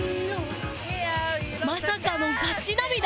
まさかのガチ涙？